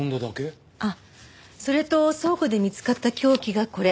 あっそれと倉庫で見つかった凶器がこれ。